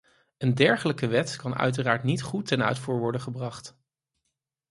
Een dergelijke wet kan uiteraard niet goed ten uitvoer worden gebracht.